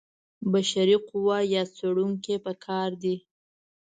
بشري قوه یا څېړونکي په کار دي.